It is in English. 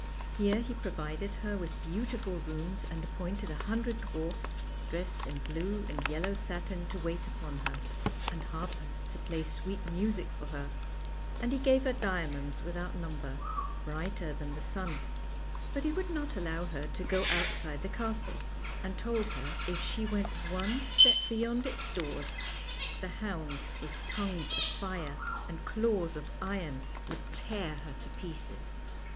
Here he pro vided her with beautiful rooms, and appointed a hundred dwarfs, dressed in blue and yellow satin, to wait upon her, and harpers to play sweet music for her, and he gave her diamonds without number, brighter than the sun; but he would not allow her to go outside the castle, and told her if she went one step beyond its doors, the hounds, with tongues of fire and claws of iron, would 123 124 FAIRY TALES tear her to pieces.